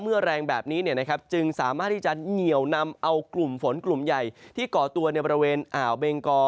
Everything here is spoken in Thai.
แรงแบบนี้จึงสามารถที่จะเหนียวนำเอากลุ่มฝนกลุ่มใหญ่ที่ก่อตัวในบริเวณอ่าวเบงกอ